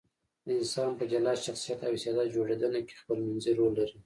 د انسان په جلا شخصیت او استعداد جوړېدنه کې خپلمنځي رول لري.